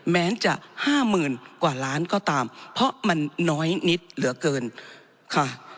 แม้จะห้าหมื่นกว่าล้านก็ตามเพราะมันน้อยนิดเหลือเกินค่ะ